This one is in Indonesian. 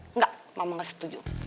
enggak mama gak setuju